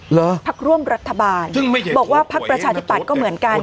เหรอภาคร่วมรัฐบาลบอกว่าภาคประชาธิบัติก็เหมือนกัน